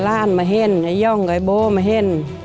ร่านมาเห็นย่องบูบมาเห็น